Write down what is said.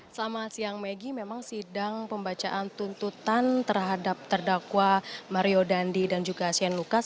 selamat siang maggie memang sidang pembacaan tuntutan terhadap terdakwa mario dandi dan juga shane lucas